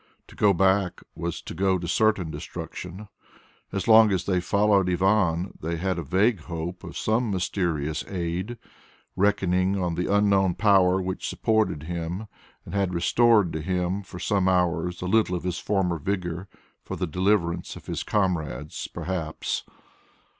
To go back was to go to certain destruction. As long as they followed Ivan, they had a vague hope of some mysterious aid, reckoning on the unknown power which supported him and had restored to him for some hours a little of his former vigour for the deliverance of his comrades perhaps.